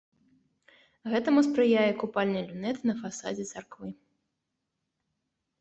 Гэтаму спрыяе купальны люнет на фасадзе царквы.